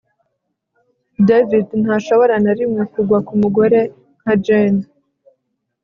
David ntashobora na rimwe kugwa kumugore nka Jane